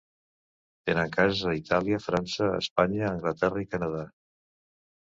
Tenen cases a Itàlia, França, Espanya, Anglaterra i Canadà.